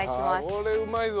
これうまいぞ。